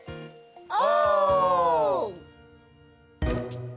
お！